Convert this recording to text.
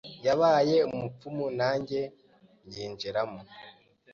yabaye umupfumu nanjye mbyinjiramo